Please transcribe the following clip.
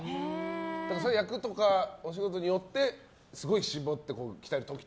そういう役とかお仕事によってすごい絞って鍛えると。